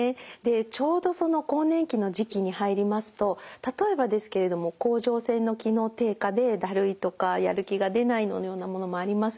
ちょうど更年期の時期に入りますと例えばですけれども甲状腺の機能低下でだるいとかやる気が出ないのようなものもありますし